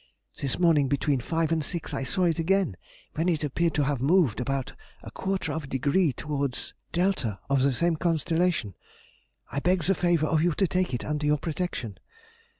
This morning, between five and six, I saw it again, when it appeared to have moved about a quarter of a degree towards δ of the same constellation. I beg the favour of you to take it under your protection.